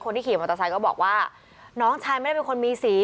ขี่มอเตอร์ไซค์ก็บอกว่าน้องชายไม่ได้เป็นคนมีสี